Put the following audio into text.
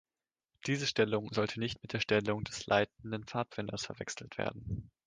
Diese Stellung sollte nicht mit der Stellung des „Leitenden Pfadfinders“ verwechselt werden.